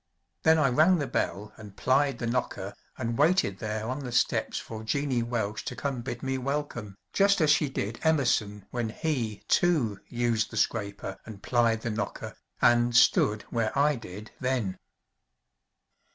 Then I rang the bell and plied the knocker and waited there on the steps for Jeannie Welsh to come bid me welcome, just as she did Emerson when he, too, used the scraper and plied the knocker and stood where I did then.